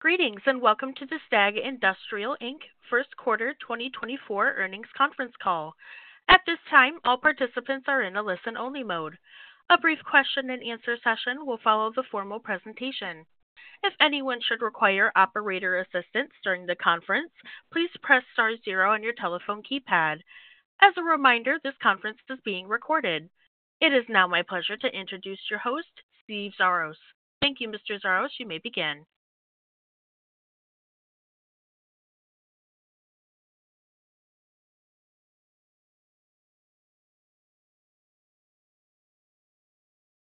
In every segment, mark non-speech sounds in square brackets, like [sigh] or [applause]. Greetings, and welcome to the STAG Industrial Inc First Quarter 2024 Earnings Conference Call. At this time, all participants are in a listen-only mode. A brief question and answer session will follow the formal presentation. If anyone should require operator assistance during the conference, please press star zero on your telephone keypad. As a reminder, this conference is being recorded. It is now my pleasure to introduce your host, Steve Xiarhos. Thank you, Mr. Xiarhos. You may begin.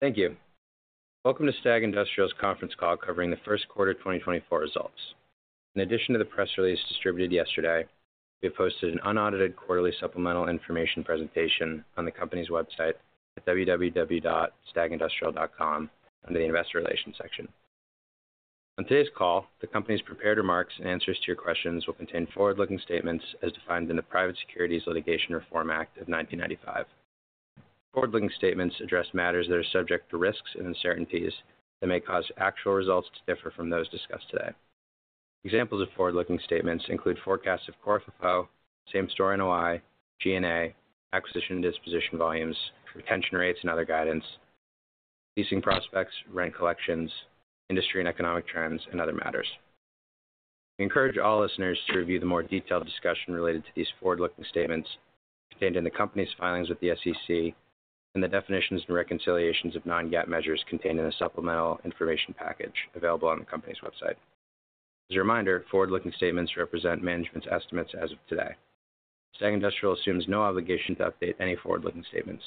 Thank you. Welcome to STAG Industrial's conference call covering the first quarter 2024 results. In addition to the press release distributed yesterday, we have posted an unaudited quarterly supplemental information presentation on the company's website at www.stagindustrial.com, under the Investor Relations section. On today's call, the company's prepared remarks and answers to your questions will contain forward-looking statements as defined in the Private Securities Litigation Reform Act of 1995. Forward-looking statements address matters that are subject to risks and uncertainties that may cause actual results to differ from those discussed today. Examples of forward-looking statements include forecasts of Core FFO, same-store NOI, G&A, acquisition and disposition volumes, retention rates, and other guidance, leasing prospects, rent collections, industry and economic trends, and other matters. We encourage all listeners to review the more detailed discussion related to these forward-looking statements contained in the company's filings with the SEC and the definitions and reconciliations of non-GAAP measures contained in the supplemental information package available on the company's website. As a reminder, forward-looking statements represent management's estimates as of today. STAG Industrial assumes no obligation to update any forward-looking statements.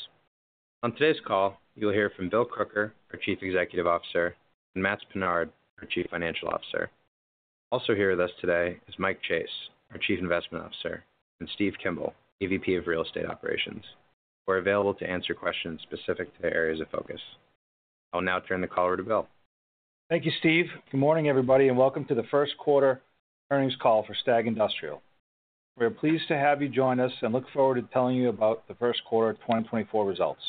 On today's call, you'll hear from Bill Crooker, our Chief Executive Officer, and Matts Pinard, our Chief Financial Officer. Also here with us today is Mike Chase, our Chief Investment Officer, and Steve Kimball, EVP of Real Estate Operations, who are available to answer questions specific to their areas of focus. I'll now turn the call over to Bill. Thank you, Steve. Good morning, everybody, and welcome to the first quarter earnings call for STAG Industrial. We are pleased to have you join us and look forward to telling you about the first quarter of 2024 results.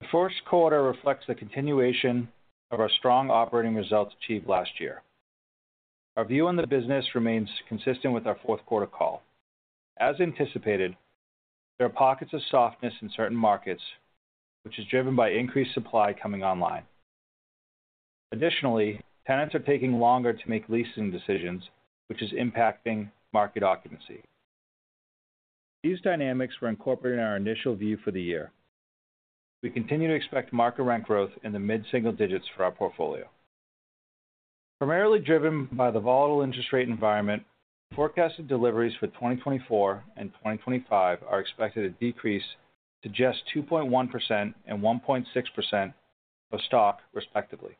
The first quarter reflects the continuation of our strong operating results achieved last year. Our view on the business remains consistent with our fourth quarter call. As anticipated, there are pockets of softness in certain markets, which is driven by increased supply coming online. Additionally, tenants are taking longer to make leasing decisions, which is impacting market occupancy. These dynamics were incorporated in our initial view for the year. We continue to expect market rent growth in the mid-single digits for our portfolio. Primarily driven by the volatile interest rate environment, forecasted deliveries for 2024 and 2025 are expected to decrease to just 2.1% and 1.6% of stock, respectively.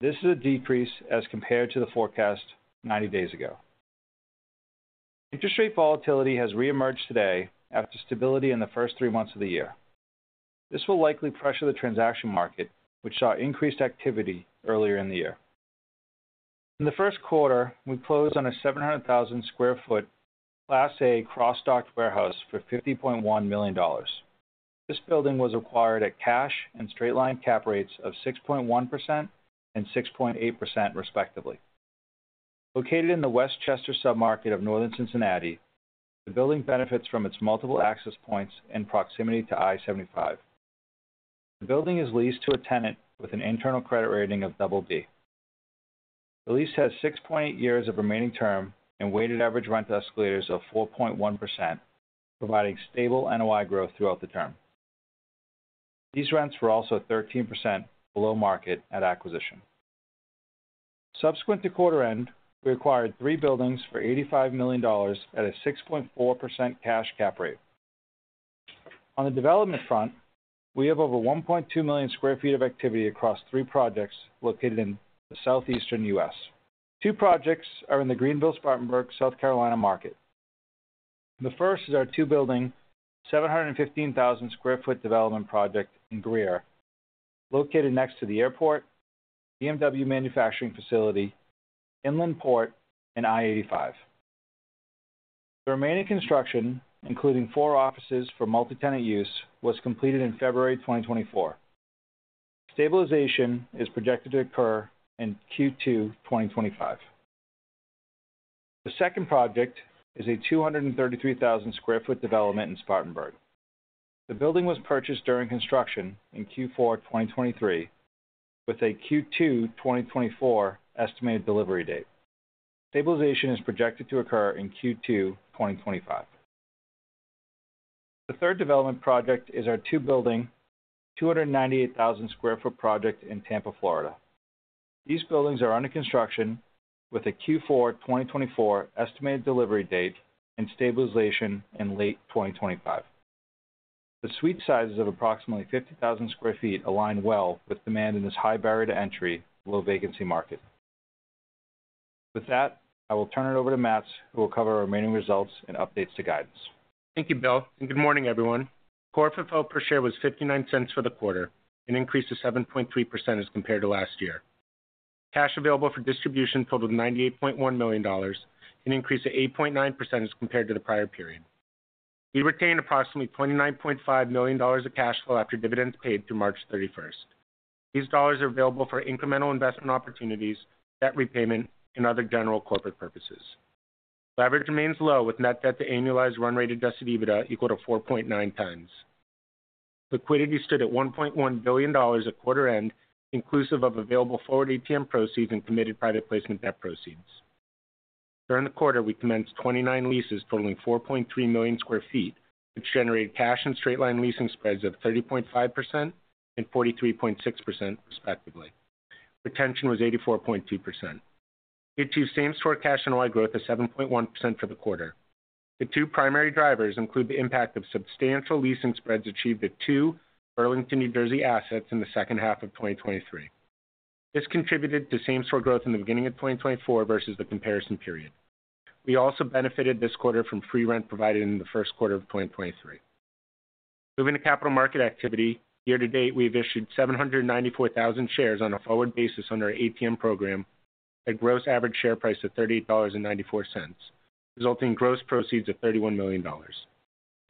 This is a decrease as compared to the forecast 90 days ago. Interest rate volatility has reemerged today after stability in the first three months of the year. This will likely pressure the transaction market, which saw increased activity earlier in the year. In the first quarter, we closed on a 700,000 sq ft, Class A cross-docked warehouse for $50.1 million. This building was acquired at cash and straight line cap rates of 6.1% and 6.8%, respectively. Located in the West Chester submarket of Northern Cincinnati, the building benefits from its multiple access points and proximity to I-75. The building is leased to a tenant with an internal credit rating of Double B. The lease has 6.8 years of remaining term and weighted average rent escalators of 4.1%, providing stable NOI growth throughout the term. These rents were also 13% below market at acquisition. Subsequent to quarter end, we acquired three buildings for $85 million at a 6.4% cash cap rate. On the development front, we have over 1.2 million sq ft of activity across three projects located in the southeastern US. Two projects are in the Greenville-Spartanburg, South Carolina market. The first is our two building, 715,000 sq ft development project in Greer, located next to the airport, BMW manufacturing facility, inland port, and I-85. The remaining construction, including four offices for multi-tenant use, was completed in February 2024. Stabilization is projected to occur in Q2 2025. The second project is a 233,000 sq ft development in Spartanburg. The building was purchased during construction in Q4 2023, with a Q2 2024 estimated delivery date. Stabilization is projected to occur in Q2 2025. The third development project is our two-building, 298,000 sq ft project in Tampa, Florida. These buildings are under construction with a Q4 2024 estimated delivery date and stabilization in late 2025. The suite sizes of approximately 50,000 sq ft align well with demand in this high barrier to entry, low vacancy market. With that, I will turn it over to Matt, who will cover our remaining results and updates to guidance. Thank you, Bill, and good morning, everyone. Core FFO per share was $0.59 for the quarter, an increase of 7.3% as compared to last year. Cash available for distribution totaled $98.1 million, an increase of 8.9% as compared to the prior period. We retained approximately $29.5 million of cash flow after dividends paid through March 31. These dollars are available for incremental investment opportunities, debt repayment, and other general corporate purposes. Leverage remains low, with net debt to annualized run rate adjusted EBITDA equal to 4.9 times. Liquidity stood at $1.1 billion at quarter end, inclusive of available forward ATM proceeds and committed private placement debt proceeds. During the quarter, we commenced 29 leases totaling 4.3 million sq ft, which generated cash and straight line leasing spreads of 30.5% and 43.6% respectively. Retention was 84.2%. Q2 same-store cash NOI growth is 7.1% for the quarter. The two primary drivers include the impact of substantial leasing spreads achieved at two Burlington, New Jersey assets in the second half of 2023. This contributed to same-store growth in the beginning of 2024 versus the comparison period. We also benefited this quarter from free rent provided in the first quarter of 2023. Moving to capital market activity. Year to date, we've issued 794,000 shares on a forward basis under our ATM program, at gross average share price of $38.94, resulting in gross proceeds of $31 million.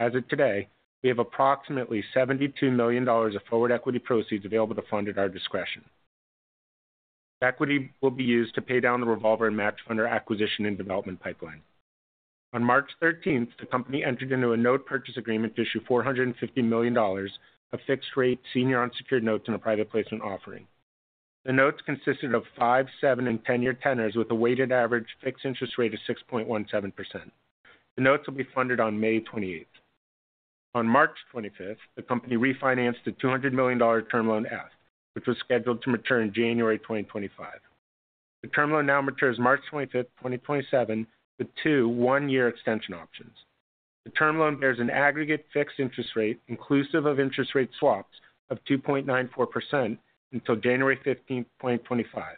As of today, we have approximately $72 million of forward equity proceeds available to fund at our discretion. Equity will be used to pay down the revolver and match under acquisition and development pipeline. On March 13, the company entered into a note purchase agreement to issue $450 million of fixed-rate senior unsecured notes in a private placement offering. The notes consisted of five, seven, and ten-year tenors, with a weighted average fixed interest rate of 6.17%. The notes will be funded on May 28. On March 25th, the company refinanced a $200 million Term Loan F, which was scheduled to mature in January 2025. The term loan now matures March 25th, 2027, with two one-year extension options. The term loan bears an aggregate fixed interest rate, inclusive of interest rate swaps of 2.94% until January 15th, 2025,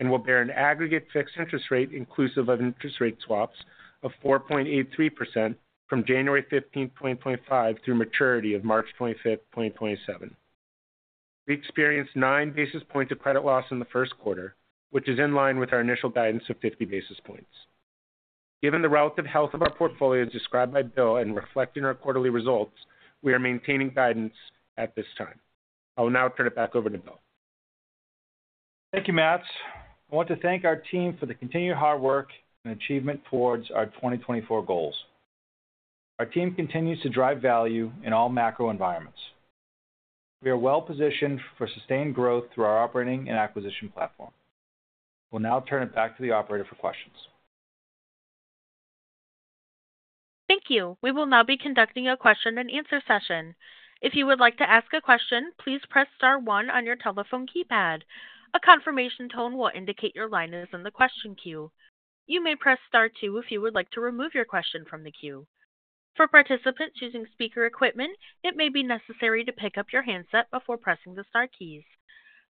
and will bear an aggregate fixed interest rate, inclusive of interest rate swaps of 4.83% from January 15th, 2025, through maturity of March 25th, 2027. We experienced 9 basis points of credit loss in the first quarter, which is in line with our initial guidance of 50 basis points. Given the relative health of our portfolio, as described by Bill and reflecting our quarterly results, we are maintaining guidance at this time. I will now turn it back over to Bill. Thank you, Matt. I want to thank our team for the continued hard work and achievement towards our 2024 goals. Our team continues to drive value in all macro environments. We are well positioned for sustained growth through our operating and acquisition platform. We'll now turn it back to the operator for questions. Thank you. We will now be conducting a question-and-answer session. If you would like to ask a question, please press star one on your telephone keypad. A confirmation tone will indicate your line is in the question queue. You may press star two if you would like to remove your question from the queue. For participants using speaker equipment, it may be necessary to pick up your handset before pressing the star keys.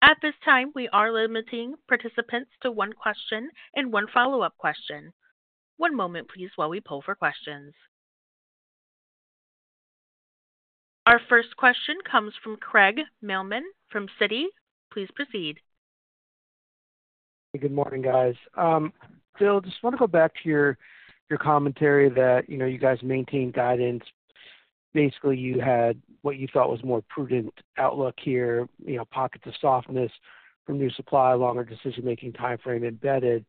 At this time, we are limiting participants to one question and one follow-up question. One moment please, while we poll for questions. Our first question comes from Craig Mailman from Citi. Please proceed. Good morning, guys. Bill, just want to go back to your commentary that, you know, you guys maintained guidance. Basically, you had what you thought was more prudent outlook here, you know, pockets of softness from new supply, longer decision-making timeframe embedded.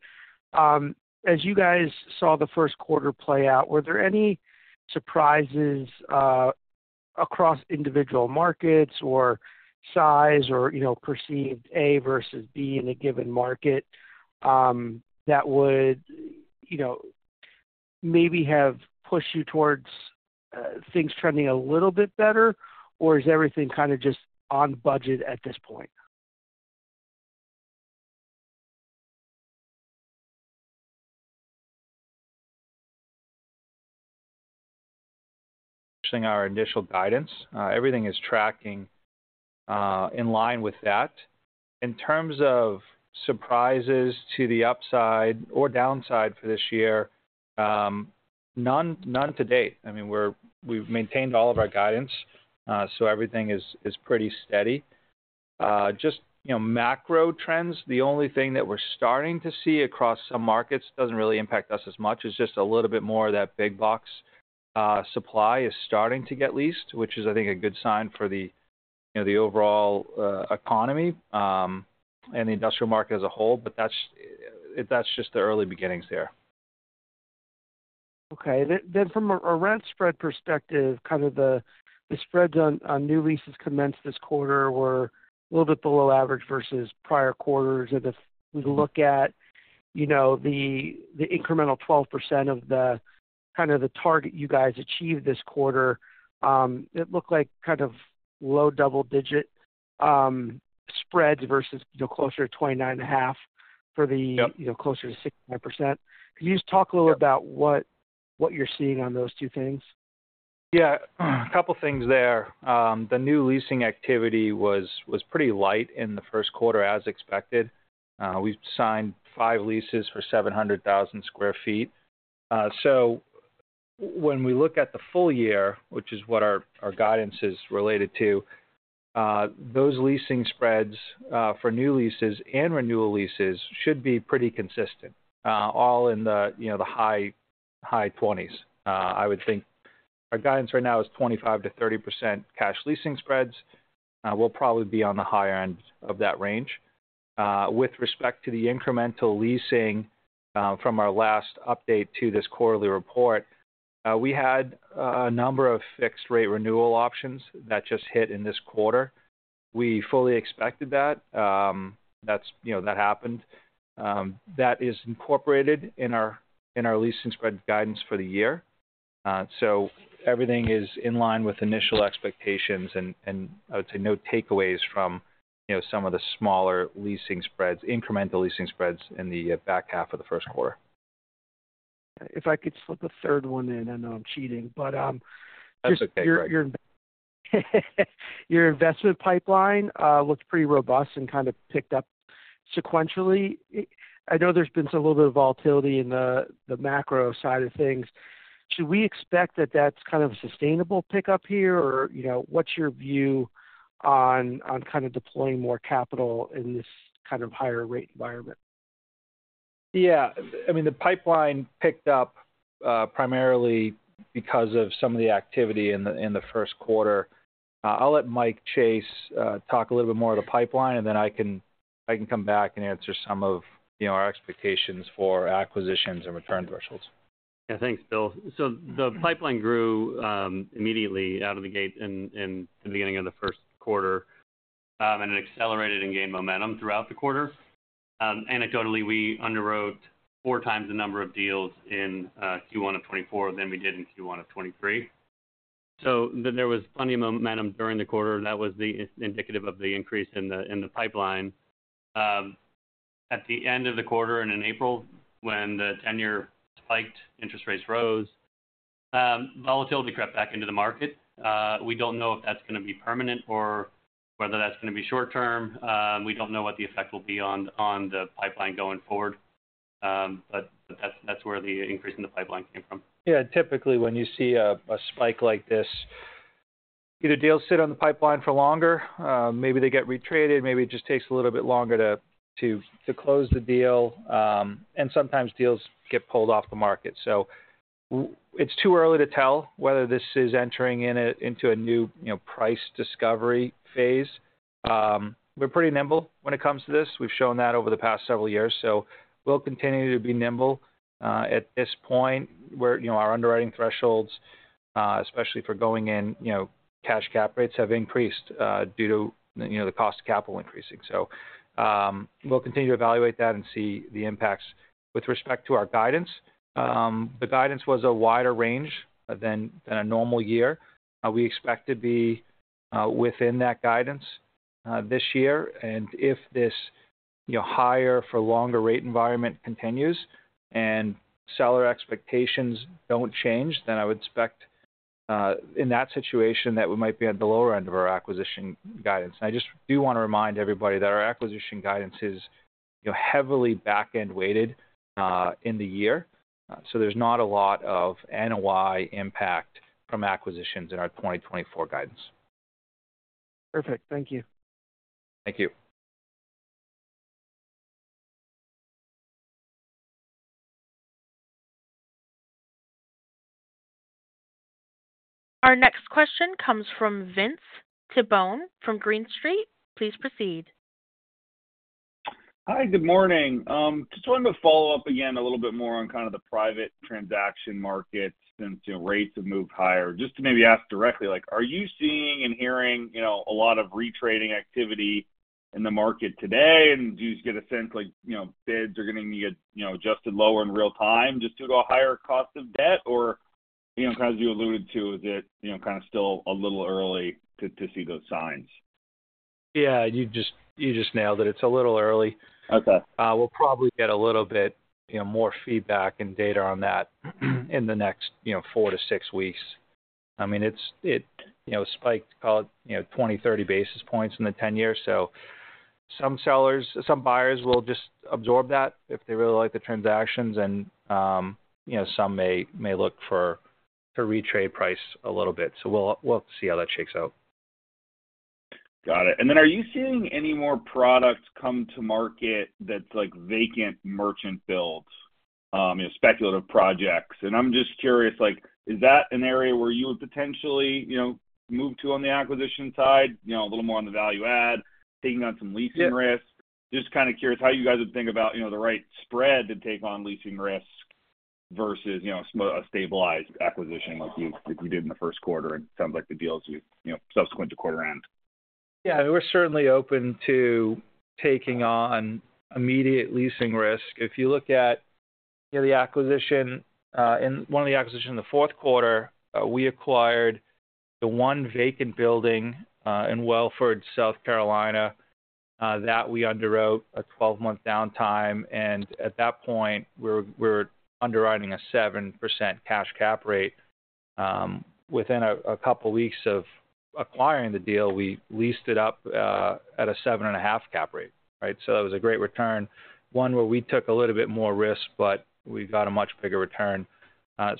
As you guys saw the first quarter play out, were there any surprises across individual markets or size or, you know, perceived A versus B in a given market that would, you know, maybe have pushed you towards things trending a little bit better? Or is everything kind of just on budget at this point? Seeing our initial guidance, everything is tracking in line with that. In terms of surprises to the upside or downside for this year, none, none to date. I mean, we've maintained all of our guidance, so everything is pretty steady. Just, you know, macro trends, the only thing that we're starting to see across some markets, doesn't really impact us as much, is just a little bit more of that big box supply is starting to get leased, which is, I think, a good sign for the, you know, the overall economy, and the industrial market as a whole. But that's just the early beginnings there. Okay. Then from a rent spread perspective, kind of the spreads on new leases commenced this quarter were a little bit below average versus prior quarters. And if we look at, you know, the incremental 12% of the kind of the target you guys achieved this quarter, it looked like kind of low double digit spreads versus, you know, closer to 29.5 for the [audio distortion] you know, closer to 65%. Can you just talk a little about what you're seeing on those two things? Yeah, a couple things there. The new leasing activity was pretty light in the first quarter, as expected. We've signed 5 leases for 700,000 sq ft. So when we look at the full year, which is what our guidance is related to, those leasing spreads for new leases and renewal leases should be pretty consistent, all in the, you know, the high 20s. I would think our guidance right now is 25%-30% cash leasing spreads. We'll probably be on the higher end of that range. With respect to the incremental leasing from our last update to this quarterly report, we had a number of fixed-rate renewal options that just hit in this quarter. We fully expected that. That's, you know, that happened. That is incorporated in our leasing spread guidance for the year. So everything is in line with initial expectations, and I would say no takeaways from, you know, some of the smaller leasing spreads, incremental leasing spreads in the back half of the first quarter. If I could slip a third one in. I know I'm cheating. Your investment pipeline looks pretty robust and kind of picked up sequentially. I know there's been a little bit of volatility in the macro side of things. Should we expect that that's kind of a sustainable pickup here? Or, you know, what's your view on kind of deploying more capital in this kind of higher rate environment? Yeah. I mean, the pipeline picked up primarily because of some of the activity in the first quarter. I'll let Mike Chase talk a little bit more to pipeline, and then I can come back and answer some of, you know, our expectations for acquisitions and return thresholds. Yeah, thanks, Bill. So the pipeline grew immediately out of the gate in the beginning of the first quarter, and it accelerated and gained momentum throughout the quarter. Anecdotally, we underwrote four times the number of deals in Q1 of 2024 than we did in Q1 of 2023. So there was plenty of momentum during the quarter. That was indicative of the increase in the pipeline. At the end of the quarter and in April, when the 10-year spiked, interest rates rose, volatility crept back into the market. We don't know if that's going to be permanent or whether that's going to be short term. We don't know what the effect will be on the pipeline going forward, but that's where the increase in the pipeline came from. Yeah, typically, when you see a spike like this, either deals sit on the pipeline for longer, maybe they get retraded, maybe it just takes a little bit longer to close the deal, and sometimes deals get pulled off the market. So it's too early to tell whether this is entering into a new, you know, price discovery phase. We're pretty nimble when it comes to this. We've shown that over the past several years, so we'll continue to be nimble. At this point, you know, our underwriting thresholds, especially for going in, you know, cash cap rates have increased, due to, you know, the cost of capital increasing. So, we'll continue to evaluate that and see the impacts. With respect to our guidance, the guidance was a wider range than in a normal year. We expect to be within that guidance this year. And if this, you know, higher for longer rate environment continues and seller expectations don't change, then I would expect in that situation that we might be at the lower end of our acquisition guidance. I just do want to remind everybody that our acquisition guidance is, you know, heavily back-end weighted in the year so there's not a lot of NOI impact from acquisitions in our 2024 guidance. Perfect. Thank you. Thank you. Our next question comes from Vince Tibone from Green Street. Please proceed. Hi, good morning. Just wanted to follow up again a little bit more on kind of the private transaction market since, you know, rates have moved higher. Just to maybe ask directly, like, are you seeing and hearing, you know, a lot of retrading activity in the market today? And do you get a sense, like, you know, bids are going to need, you know, adjusted lower in real time just due to a higher cost of debt? Or, you know, as you alluded to, is it, you know, kind of still a little early to see those signs? Yeah, you just, you just nailed it. It's a little early. Okay. We'll probably get a little bit, you know, more feedback and data on that in the next four to six weeks. I mean, it's, you know, spiked 20-30 basis points in the 10 years. So some sellers, some buyers will just absorb that if they really like the transactions, and, you know, some may look for to retrade price a little bit, so we'll see how that shakes out. Got it. And then, are you seeing any more products come to market that's like vacant merchant builds, you know, speculative projects? And I'm just curious, like, is that an area where you would potentially, you know, move to on the acquisition side, you know, a little more on the value add, taking on some leasing risks? Just kind of curious how you guys would think about, you know, the right spread to take on leasing risk versus, you know, a stabilized acquisition like you did in the first quarter. It sounds like the deals you know, subsequent to quarter end. Yeah, we're certainly open to taking on immediate leasing risk. If you look at the acquisition in one of the acquisitions in the fourth quarter, we acquired the one vacant building in Wellford, South Carolina, that we underwrote a 12-month downtime, and at that point, we're underwriting a 7% cash cap rate. Within a couple weeks of acquiring the deal, we leased it up at a 7.5 cap rate, right? So that was a great return, one where we took a little bit more risk, but we got a much bigger return.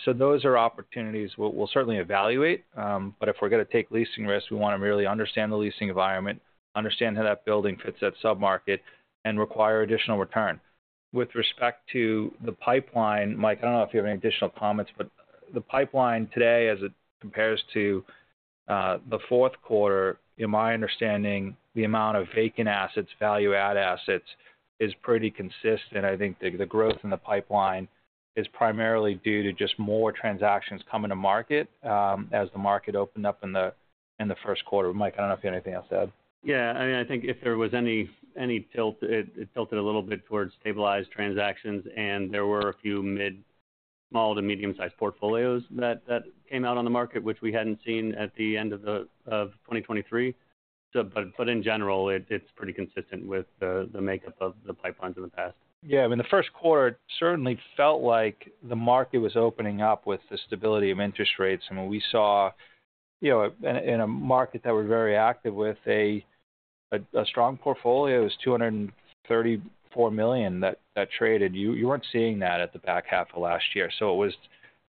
So those are opportunities we'll certainly evaluate, but if we're going to take leasing risks, we want to really understand the leasing environment, understand how that building fits that sub-market, and require additional return. With respect to the pipeline, Mike, I don't know if you have any additional comments, but the pipeline today, as it compares to the fourth quarter, in my understanding, the amount of vacant assets, value-add assets, is pretty consistent. I think the growth in the pipeline is primarily due to just more transactions coming to market, as the market opened up in the first quarter. Mike, I don't know if you have anything else to add. Yeah, I mean, I think if there was any tilt, it tilted a little bit towards stabilized transactions, and there were a few mid-small to medium-sized portfolios that came out on the market, which we hadn't seen at the end of 2023. But in general, it's pretty consistent with the makeup of the pipelines in the past. Yeah, I mean, the first quarter certainly felt like the market was opening up with the stability of interest rates. I mean, we saw, you know, in a market that we're very active with, a strong portfolio, it was $234 million that traded. You weren't seeing that at the back half of last year. So it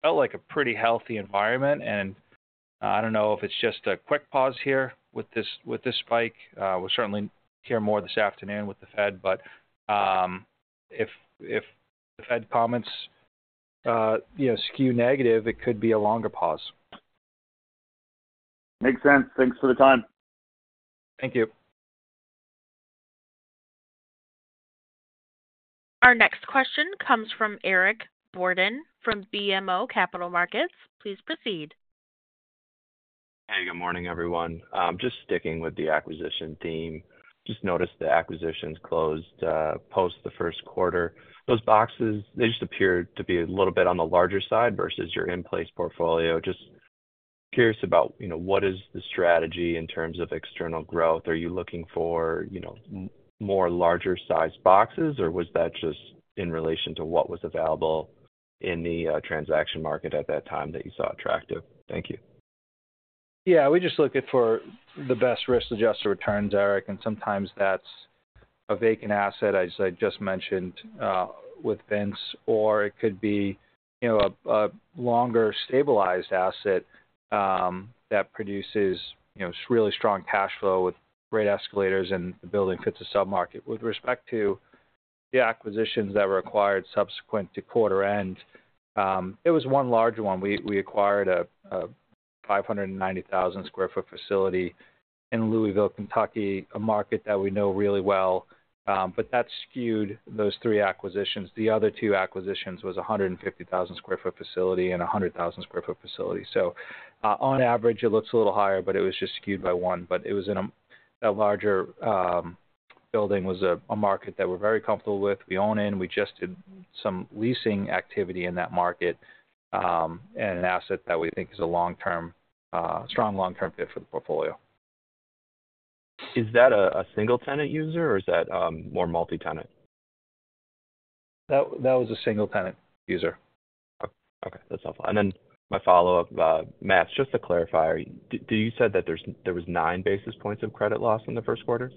felt like a pretty healthy environment, and I don't know if it's just a quick pause here with this spike. We'll certainly hear more this afternoon with the Fed, but if the Fed comments skew negative, you know, it could be a longer pause. Makes sense. Thanks for the time. Thank you. Our next question comes from Eric Borden from BMO Capital Markets. Please proceed. Hey, good morning, everyone. Just sticking with the acquisition theme, just noticed the acquisitions closed post the first quarter. Those boxes, they just appeared to be a little bit on the larger side versus your in-place portfolio. Just curious about, you know, what is the strategy in terms of external growth. Are you looking for, you know, more larger-sized boxes, or was that just in relation to what was available in the transaction market at that time that you saw attractive? Thank you. Yeah, we're just looking for the best risk-adjusted returns, Eric, and sometimes that's a vacant asset, as I just mentioned with Vince, or it could be, you know, a longer stabilized asset that produces, you know, really strong cash flow with great escalators, and the building fits the submarket. With respect to the acquisitions that were acquired subsequent to quarter end, it was one large one. We acquired a 590,000 sq ft facility in Louisville, Kentucky, a market that we know really well, but that skewed those three acquisitions. The other two acquisitions was a 150,000 sq ft facility and a 100,000 sq ft facility. So, on average, it looks a little higher, but it was just skewed by one. But it was in a larger building in a market that we're very comfortable with. We own in. We just did some leasing activity in that market, and an asset that we think is a long-term, strong long-term fit for the portfolio. Is that a single tenant user, or is that more multi-tenant? That was a single tenant user. Okay. That's helpful. And then my follow-up, Matt, just to clarify, do you said that there's, there was 9 basis points of credit loss in the first quarter?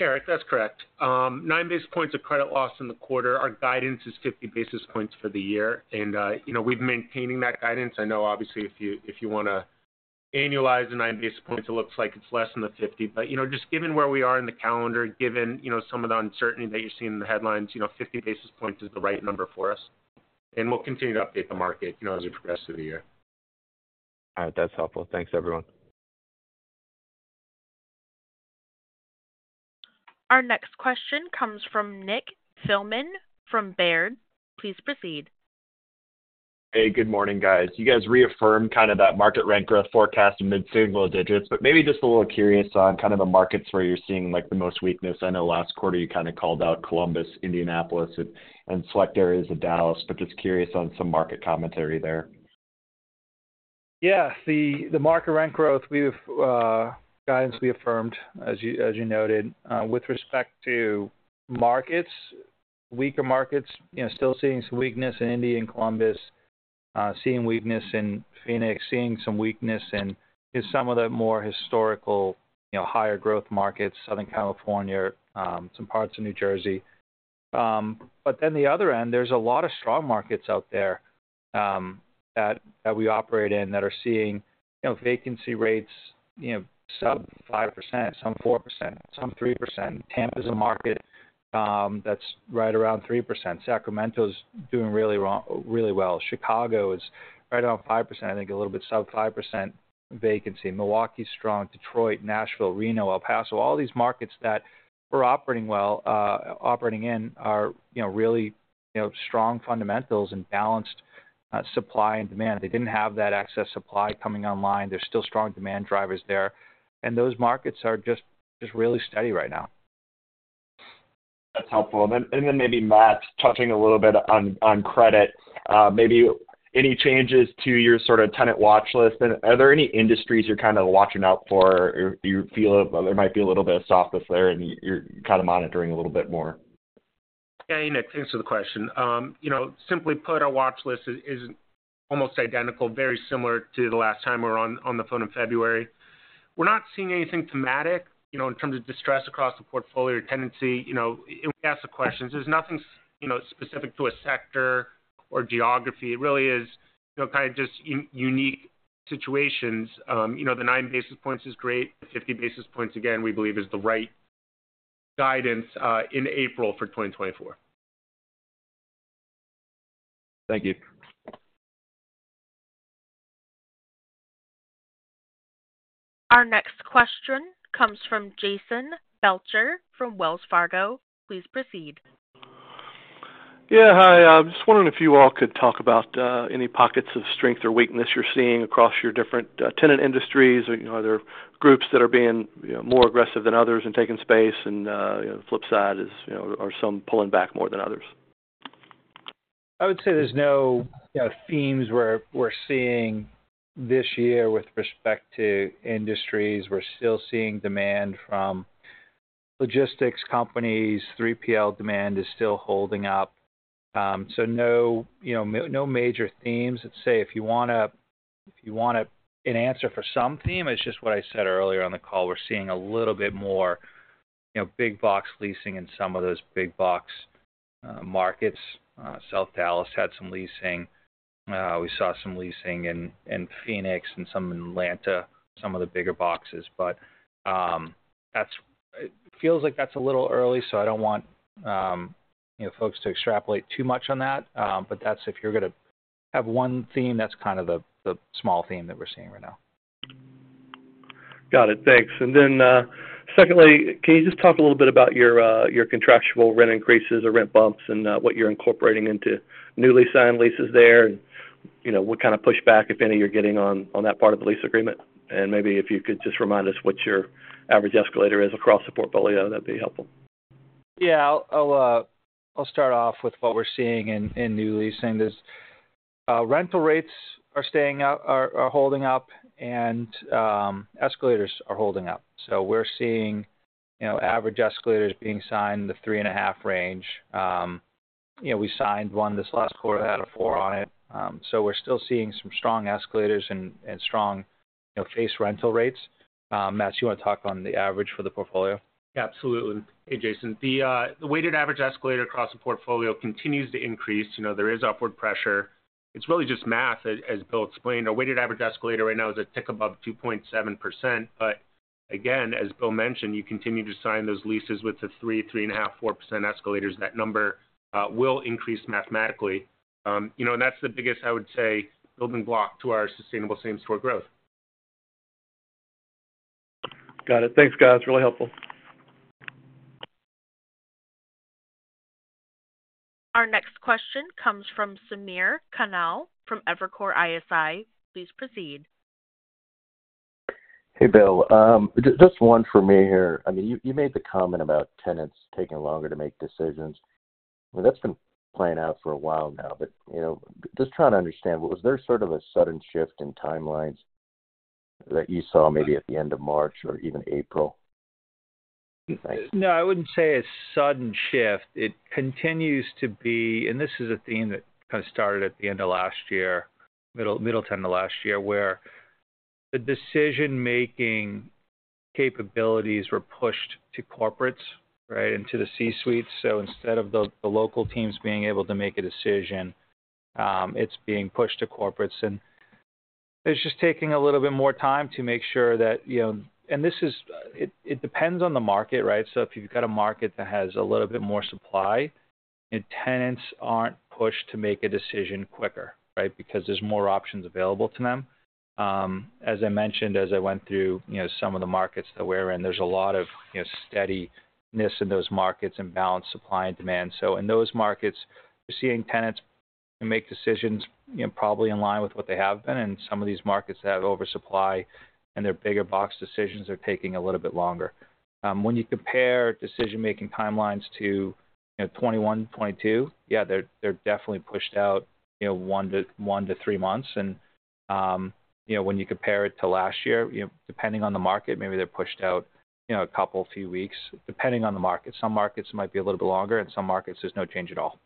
Eric, that's correct. 9 basis points of credit loss in the quarter. Our guidance is 50 basis points for the year, and, you know, we've maintaining that guidance. I know, obviously, if you, if you want to annualize the 9 basis points, it looks like it's less than the 50. But, you know, just given where we are in the calendar, given, you know, some of the uncertainty that you're seeing in the headlines, you know, 50 basis points is the right number for us. We'll continue to update the market, you know, as we progress through the year. All right. That's helpful. Thanks, everyone. Our next question comes from Nick Thillman from Baird. Please proceed. Hey, good morning, guys. You guys reaffirmed kind of that market rent growth forecast in mid-single digits, but maybe just a little curious on kind of the markets where you're seeing, like, the most weakness. I know last quarter you kind of called out Columbus, Indianapolis, and select areas of Dallas, but just curious on some market commentary there. Yeah, the market rent growth, we've guidance we affirmed, as you noted. With respect to markets, weaker markets, you know, still seeing some weakness in Indy and Columbus, seeing weakness in Phoenix, seeing some weakness in some of the more historical, you know, higher growth markets, Southern California, some parts of New Jersey. But then the other end, there's a lot of strong markets out there, that we operate in, that are seeing, you know, vacancy rates, you know, sub 5%, some 4%, some 3%. Tampa is a market, that's right around 3%. Sacramento's doing really well. Chicago is right around 5%, I think a little bit sub 5% vacancy. Milwaukee, strong. Detroit, Nashville, Reno, El Paso, all these markets that we're operating in are, you know, really, you know, strong fundamentals and balanced supply and demand. They didn't have that excess supply coming online. There's still strong demand drivers there, and those markets are just really steady right now. That's helpful. And then, and then maybe, Matt, touching a little bit on, on credit, maybe any changes to your sort of tenant watch list? And are there any industries you're kind of watching out for, or you feel there might be a little bit of softness there, and you're kind of monitoring a little bit more? Yeah, Nick, thanks for the question. You know, simply put, our watch list is almost identical, very similar to the last time we were on the phone in February. We're not seeing anything thematic, you know, in terms of distress across the portfolio or tenancy. You know, if we ask the questions, there's nothing, you know, specific to a sector or geography. It really is, you know, kind of just unique situations, you know, the 9 basis points is great. 50 basis points, again, we believe is the right guidance, in April for 2024. Thank you. Our next question comes from Jason Belcher from Wells Fargo. Please proceed. Yeah, hi. I was just wondering if you all could talk about any pockets of strength or weakness you're seeing across your different tenant industries. You know, are there groups that are being, you know, more aggressive than others and taking space, and, you know, flip side is, you know, are some pulling back more than others? I would say there's no, you know, themes we're seeing this year with respect to industries. We're still seeing demand from logistics companies. 3PL demand is still holding up. So no, you know, no major themes. Let's say, if you want to an answer for some theme, it's just what I said earlier on the call. We're seeing a little bit more, you know, big box leasing in some of those big box markets. South Dallas had some leasing. We saw some leasing in Phoenix and some in Atlanta, some of the bigger boxes. But that's it feels like that's a little early, so I don't want, you know, folks to extrapolate too much on that. But that's if you're gonna have one theme, that's kind of the small theme that we're seeing right now. Got it. Thanks. And then, secondly, can you just talk a little bit about your, your contractual rent increases or rent bumps and, what you're incorporating into newly signed leases there? And, you know, what kind of push back, if any, you're getting on, that part of the lease agreement? And maybe if you could just remind us what your average escalator is across the portfolio, that'd be helpful. Yeah, I'll start off with what we're seeing in new leasing. Rental rates are staying up, holding up, and escalators are holding up. So we're seeing, you know, average escalators being signed in the 3.5 range. You know, we signed one this last quarter that had a four on it. So we're still seeing some strong escalators and strong, you know, cash rental rates. Matt, do you want to talk on the average for the portfolio? Absolutely. Hey, Jason. The weighted average escalator across the portfolio continues to increase. You know, there is upward pressure. It's really just math, as, as Bill explained. Our weighted average escalator right now is a tick above 2.7%, but again, as Bill mentioned, you continue to sign those leases with the 3, 3.5, 4% escalators. That number will increase mathematically. You know, and that's the biggest, I would say, building block to our sustainable same-store growth. Got it. Thanks, guys. Really helpful. Our next question comes from Samir Khanal from Evercore ISI. Please proceed. Hey, Bill, just one for me here. I mean, you made the comment about tenants taking longer to make decisions. Well, that's been playing out for a while now, but, you know, just trying to understand, was there sort of a sudden shift in timelines that you saw maybe at the end of March or even April? No, I wouldn't say a sudden shift. It continues to be. And this is a theme that kind of started at the end of last year, middle, middle to end of last year, where the decision-making capabilities were pushed to corporates, right? Into the C-suites. So instead of the local teams being able to make a decision, it's being pushed to corporates, and it's just taking a little bit more time to make sure that, you know. And this is, it depends on the market, right? So if you've got a market that has a little bit more supply, then tenants aren't pushed to make a decision quicker, right? Because there's more options available to them. As I mentioned, as I went through, you know, some of the markets that we're in, there's a lot of, you know, steadiness in those markets and balanced supply and demand. So in those markets, you're seeing tenants make decisions, you know, probably in line with what they have been. And some of these markets have oversupply, and their big box decisions are taking a little bit longer. When you compare decision-making timelines to, you know, 2021, 2022, yeah, they're, they're definitely pushed out, you know, one to one to three months. And, you know, when you compare it to last year, you know, depending on the market, maybe they're pushed out, you know, a couple, few weeks, depending on the market. Some markets might be a little bit longer, and some markets, there's no change at all.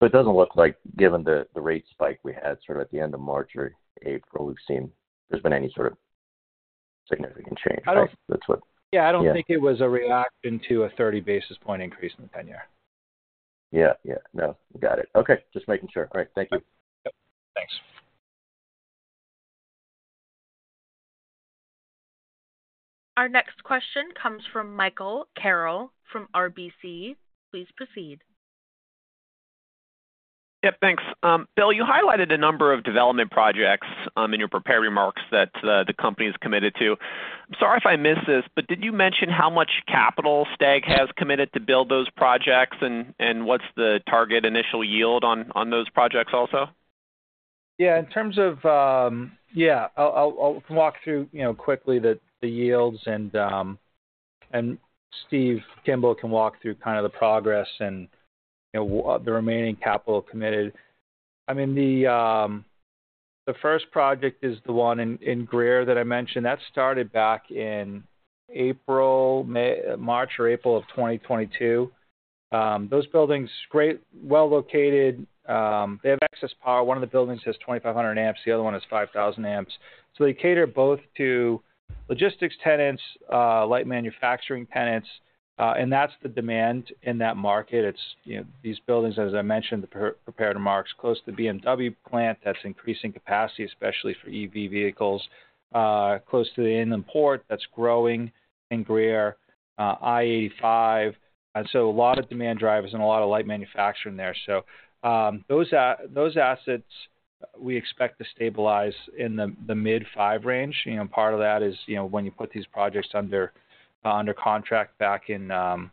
So it doesn't look like given the rate spike we had sort of at the end of March or April, we've seen there's been any sort of significant change that's what- Yeah, I don't think it was a reaction to a 30 basis point increase in the 10-year. Yeah, yeah. No, got it. Okay, just making sure. All right. Thank you. Yep. Thanks. Our next question comes from Michael Carroll from RBC. Please proceed. Yeah, thanks. Bill, you highlighted a number of development projects in your prepared remarks that the company is committed to. Sorry if I missed this, but did you mention how much capital STAG has committed to build those projects, and what's the target initial yield on those projects also? Yeah, in terms of... Yeah, I'll walk through, you know, quickly the yields and Steve Kimball can walk through kind of the progress and, you know, the remaining capital committed. I mean, the first project is the one in Greer that I mentioned. That started back in April, May—March or April of 2022. Those buildings, great, well located. They have excess power. One of the buildings has 2,500 amps, the other one is 5,000 amps. So they cater both to logistics tenants, light manufacturing tenants... and that's the demand in that market. It's, you know, these buildings, as I mentioned, the prepared remarks, close to the BMW plant, that's increasing capacity, especially for EV vehicles, close to the inland port that's growing in Greer, I-85. A lot of demand drivers and a lot of light manufacturing there. So, those assets, we expect to stabilize in the mid-five range. You know, part of that is, you know, when you put these projects under contract back in, you know,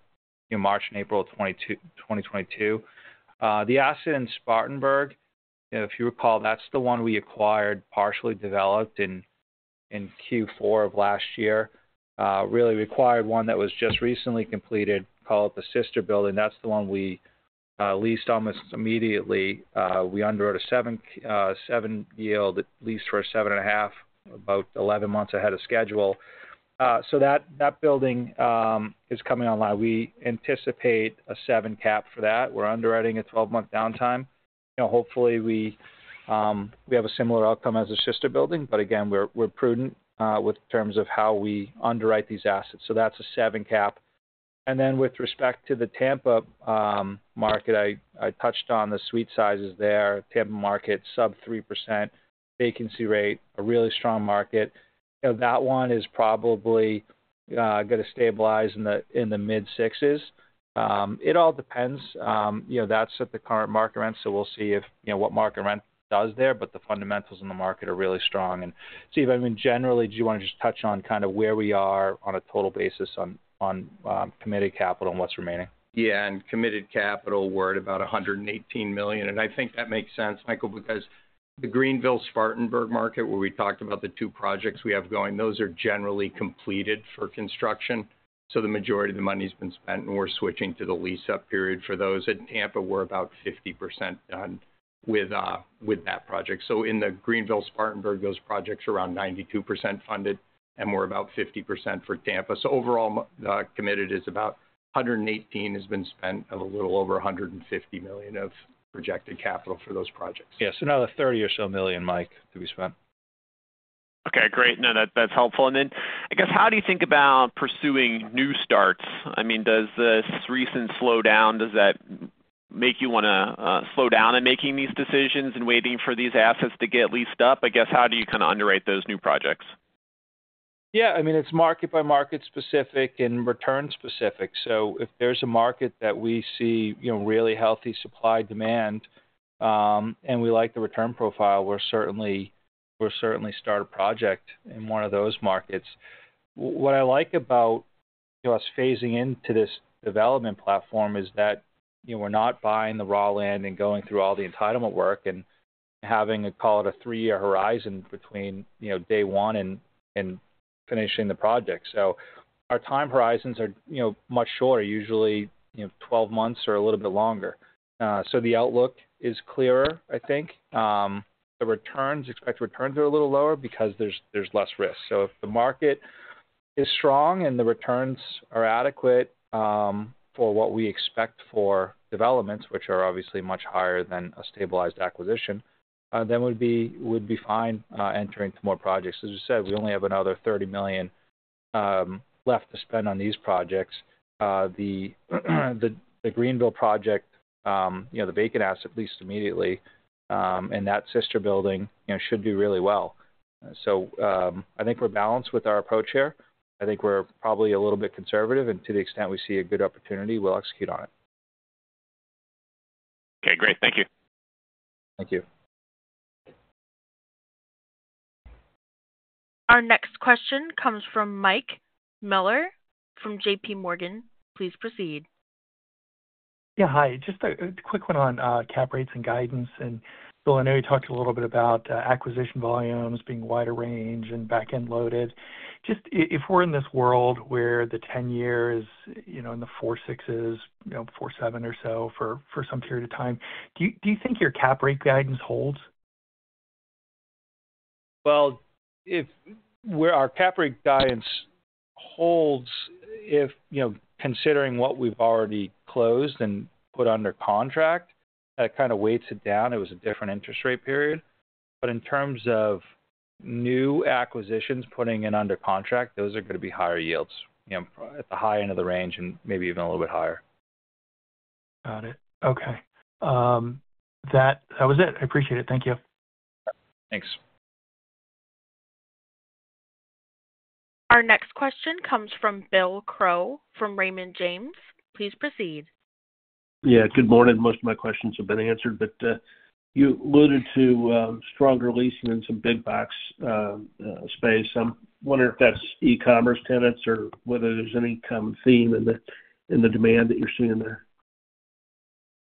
March and April of 2022. The asset in Spartanburg, if you recall, that's the one we acquired, partially developed in Q4 of last year. Really acquired one that was just recently completed, called the Sister Building. That's the one we leased almost immediately. We underwrote a seven, seven yield, at least for a seven and a half, about 11 months ahead of schedule. So that building is coming online. We anticipate a seven cap for that. We're underwriting a 12-month downtime. You know, hopefully, we, we have a similar outcome as the Sister Building, but again, we're, we're prudent with terms of how we underwrite these assets. So that's a seven cap. And then with respect to the Tampa market, I, I touched on the suite sizes there. Tampa market, sub 3% vacancy rate, a really strong market. You know, that one is probably gonna stabilize in the mid-6s. It all depends. You know, that's at the current market rent, so we'll see if, you know, what market rent does there, but the fundamentals in the market are really strong. And Steve, I mean, generally, do you want to just touch on kind of where we are on a total basis on committed capital and what's remaining? Yeah, in committed capital, we're at about $118 million, and I think that makes sense, Michael, because the Greenville-Spartanburg market, where we talked about the two projects we have going, those are generally completed for construction. So the majority of the money's been spent, and we're switching to the lease-up period for those. At Tampa, we're about 50% done with that project. So in the Greenville-Spartanburg, those projects are around 92% funded, and we're about 50% for Tampa. So overall, committed is about $118 million has been spent of a little over $150 million of projected capital for those projects. Yeah, so another $30 million or so, Mike, to be spent. Okay, great. No, that, that's helpful. And then, I guess, how do you think about pursuing new starts? I mean, does this recent slowdown, does that make you wanna slow down in making these decisions and waiting for these assets to get leased up? I guess, how do you kind of underwrite those new projects? Yeah, I mean, it's market-by-market specific and return specific. So if there's a market that we see, you know, really healthy supply-demand, and we like the return profile, we're certainly. We'll certainly start a project in one of those markets. What I like about us phasing into this development platform is that, you know, we're not buying the raw land and going through all the entitlement work and having, call it, a three-year horizon between, you know, day one and finishing the project. So our time horizons are, you know, much shorter, usually, you know, 12 months or a little bit longer. So the outlook is clearer, I think. The returns, expected returns are a little lower because there's less risk. So if the market is strong and the returns are adequate, for what we expect for developments, which are obviously much higher than a stabilized acquisition, then we'd be, we'd be fine, entering to more projects. As you said, we only have another $30 million left to spend on these projects. The Greenville project, you know, the vacant asset leased immediately, and that sister building, you know, should do really well. So, I think we're balanced with our approach here. I think we're probably a little bit conservative, and to the extent we see a good opportunity, we'll execute on it. Okay, great. Thank you. Thank you. Our next question comes from Mike Miller, from JPMorgan. Please proceed. Yeah, hi. Just a quick one on cap rates and guidance. And Bill, I know you talked a little bit about acquisition volumes being wider range and back-end loaded. Just if we're in this world, where the 10-year is, you know, in the 4.6s, you know, 4.7 or so, for some period of time, do you, do you think your cap rate guidance holds? Well, if-- where our cap rate guidance holds, if, you know, considering what we've already closed and put under contract, that kind of weighs it down. It was a different interest rate period. But in terms of new acquisitions, putting in under contract, those are going to be higher yields, you know, at the high end of the range and maybe even a little bit higher. Got it. Okay. That was it. I appreciate it. Thank you. Thanks. Our next question comes from Bill Crow, from Raymond James. Please proceed. Yeah, good morning. Most of my questions have been answered, but you alluded to stronger leasing in some big box space. I'm wondering if that's e-commerce tenants or whether there's any common theme in the demand that you're seeing there.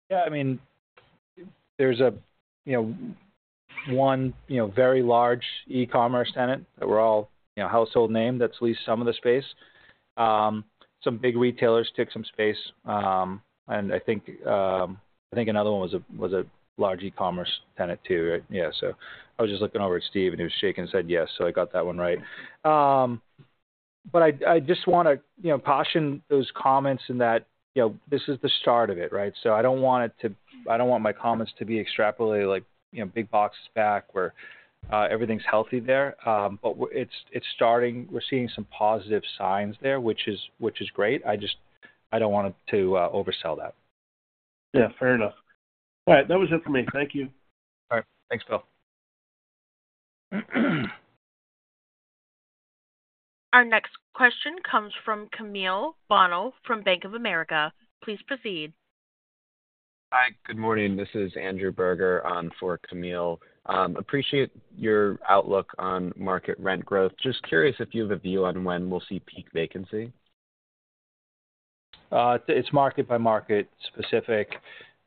Yeah, I mean, there's a you know one you know very large e-commerce tenant that we're all you know household name that's leased some of the space. Some big retailers took some space, and I think another one was a large e-commerce tenant, too, right? Yeah, so I was just looking over at Steve, and he was shaking his head yes, so I got that one right. But I just want to you know caution those comments in that you know this is the start of it, right? So I don't want it to—I don't want my comments to be extrapolated, like you know big box is back or everything's healthy there. But it's starting. We're seeing some positive signs there, which is great. I just don't want to oversell that. Yeah, fair enough. All right. That was it for me. Thank you. All right. Thanks, Bill. Our next question comes from Camille Bonnell from Bank of America. Please proceed. Hi, good morning. This is Andrew Berger on for Camille. Appreciate your outlook on market rent growth. Just curious if you have a view on when we'll see peak vacancy? It's market-by-market specific.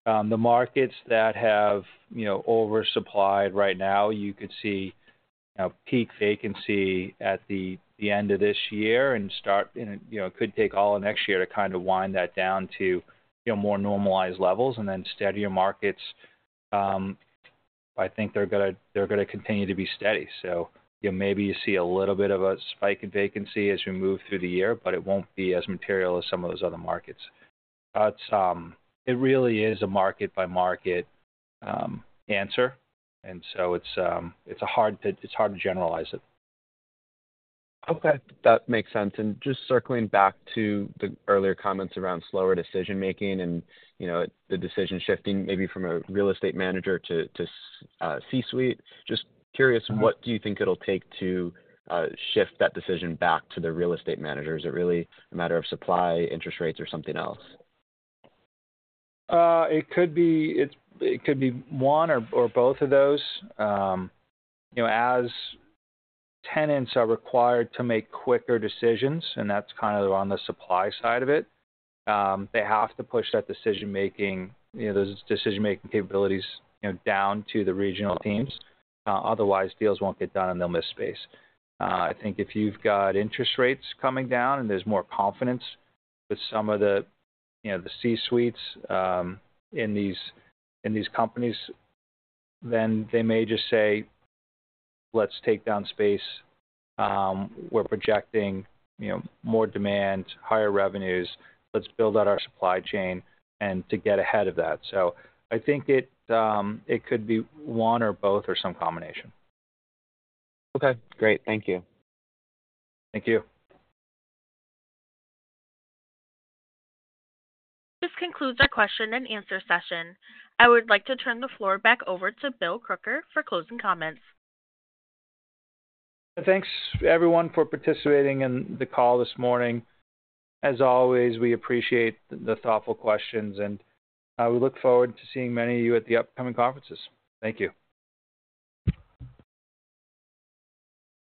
The markets that have, you know, oversupplied right now, you could see, you know, peak vacancy at the end of this year, you know, it could take all of next year to kind of wind that down to, you know, more normalized levels, and then steadier markets, I think they're gonna continue to be steady. So, you know, maybe you see a little bit of a spike in vacancy as you move through the year, but it won't be as material as some of those other markets. But, it really is a market-by-market answer, and so it's hard to generalize it. Okay, that makes sense. And just circling back to the earlier comments around slower decision-making and, you know, the decision shifting maybe from a real estate manager to C-suite. Just curious, what do you think it'll take to shift that decision back to the real estate manager? Is it really a matter of supply, interest rates, or something else? It could be one or both of those. You know, as tenants are required to make quicker decisions, and that's kind of on the supply side of it, they have to push that decision-making, you know, those decision-making capabilities, you know, down to the regional teams. Otherwise, deals won't get done, and they'll miss space. I think if you've got interest rates coming down, and there's more confidence with some of the, you know, the C-suites, in these companies, then they may just say, "Let's take down space. We're projecting, you know, more demand, higher revenues. Let's build out our supply chain and to get ahead of that." So I think it could be one, or both, or some combination. Okay, great. Thank you. Thank you. This concludes our question-and-answer session. I would like to turn the floor back over to Bill Crooker for closing comments. Thanks, everyone, for participating in the call this morning. As always, we appreciate the thoughtful questions, and we look forward to seeing many of you at the upcoming conferences. Thank you.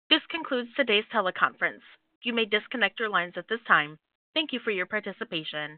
This concludes today's teleconference. You may disconnect your lines at this time. Thank you for your participation.